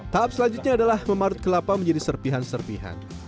tahap selanjutnya adalah memarut kelapa menjadi serpihan serpihan